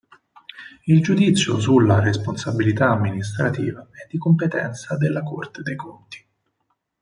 Il giudizio sulla responsabilità amministrativa è di competenza della Corte dei conti.